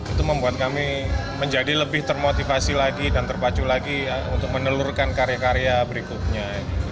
itu membuat kami menjadi lebih termotivasi lagi dan terpacu lagi untuk menelurkan karya karya berikutnya